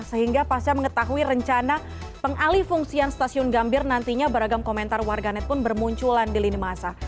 sehingga pasca mengetahui rencana pengalih fungsian stasiun gambir nantinya beragam komentar warganet pun bermunculan di lini masa